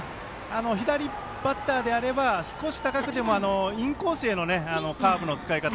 左バッターであれば少し高くてもインコースへのカーブの使い方